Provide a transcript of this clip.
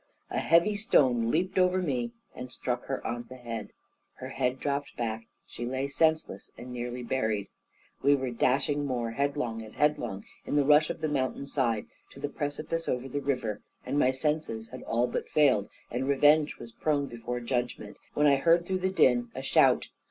A heavy stone leaped over me, and struck her on the head; her head dropped back, she lay senseless, and nearly buried. We were dashing more headlong and headlong, in the rush of the mountain side, to the precipice over the river, and my senses had all but failed, and revenge was prone before judgment, when I heard through the din a shout.